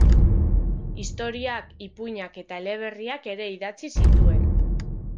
Historiak, ipuinak eta eleberriak ere idatzi zituen.